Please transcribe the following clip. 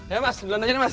ya mas bilang aja nih mas